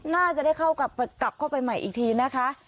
น่าจะได้เข้ากลับเข้าไปใหม่อีกทีนะคะ